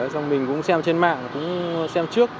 xong mình cũng xem trên mạng cũng xem trước